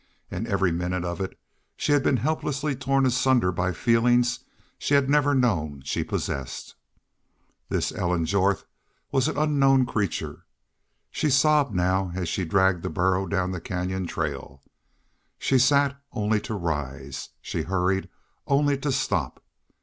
And every minute of it she had been helplessly torn asunder by feelings she had never known she possessed. This Ellen Jorth was an unknown creature. She sobbed now as she dragged the burro down the canyon trail. She sat down only to rise. She hurried only to stop.